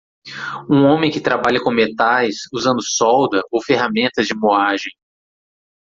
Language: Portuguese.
Um homem que trabalha com metais usando solda ou ferramentas de moagem.